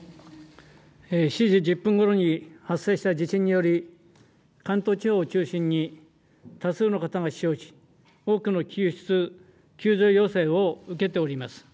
７時１０分ごろに発生した地震により関東地方を中心に多数の方が死傷し多くの救出、救助要請を受けております。